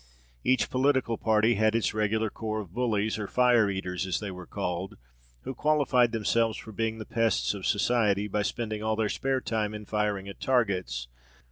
Each political party had its regular corps of bullies, or fire eaters, as they were called, who qualified themselves for being the pests of society by spending all their spare time in firing at targets.